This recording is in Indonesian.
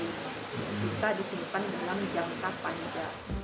bisa disimpan dalam jangka panjang